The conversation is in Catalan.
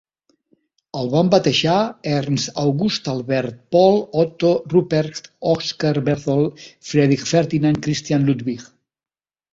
El van batejar "Ernst August Albert Paul Otto Rupprecht Oskar Berthold Friedrich-Ferdinand Christian-Ludwig".